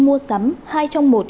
mua sắm hai trong một